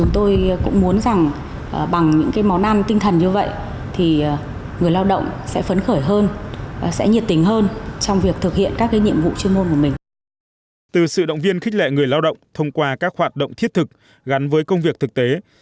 từ sự động viên khích lệ người lao động thông qua các hoạt động thiết thực gắn với công việc thực tế